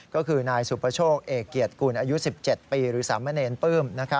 ก็คือนายสุภโชคเอกเกียรติกุลอายุ๑๗ปีหรือสามเณรปลื้ม